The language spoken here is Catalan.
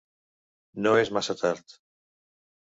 No és massa tard.